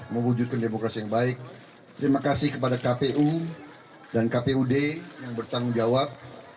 mewujudkan demokrasi yang baik terima kasih kepada kpu dan kpud yang bertanggung jawab